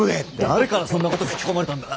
誰からそんなこと吹き込まれたんだ。